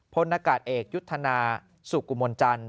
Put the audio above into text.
พลนากาศเอกยุทธนาสุกุมลจันทร์